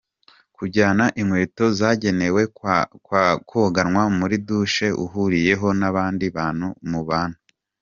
Kujyana inkweto zagenewe kwoganwa muri douche uhuriyeho n’abandi bantu mubana.